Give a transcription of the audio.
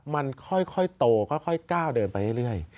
มันค่อยโตค่อยก้าวเดินไปเรื่อย